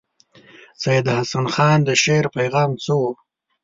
سید حسن خان د شعر پیغام څه وو.